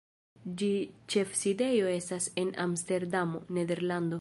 Ĝia ĉefsidejo estas en Amsterdamo, Nederlando.